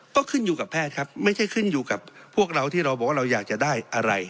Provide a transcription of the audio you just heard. ก็ขึ้นอยู่กับแพทย์ครับไม่ใช่ขึ้นอยู่กับพวกเราที่เราบอกว่าเราอยากจะได้อะไร